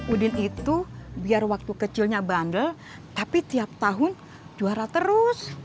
udin itu biar waktu kecilnya bandel tapi tiap tahun juara terus